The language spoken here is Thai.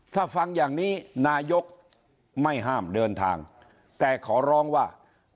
ถ้าฟังอย่างนี้นายกไม่ห้ามเดินทางแต่ขอร้องว่า